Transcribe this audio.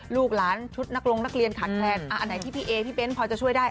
ลูกหลานชุดนักลงนักเรียนขาดแคลนอันไหนที่พี่เอพี่เบ้นพอจะช่วยได้